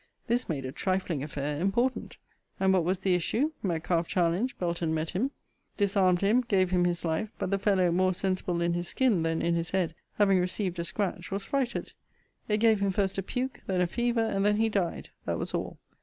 This made a trifling affair important: And what was the issue? Metcalfe challenged; Belton met him; disarmed him; gave him his life: but the fellow, more sensible in his skin than in his head, having received a scratch, was frighted: it gave him first a puke, then a fever, and then he died, that was all.